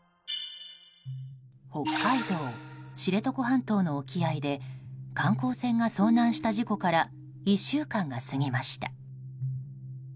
北海道知床半島の沖合で観光船が遭難した事故から１週間が過ぎました。